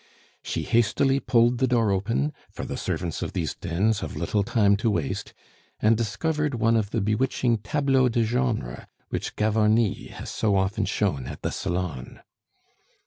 She hastily pulled the door open for the servants of these dens have little time to waste and discovered one of the bewitching tableaux de genre which Gavarni has so often shown at the Salon.